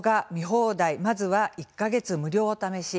放題まずは１か月無料お試し